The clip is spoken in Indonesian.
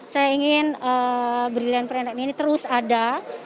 saya ingin brilliantpreneur ini terus ada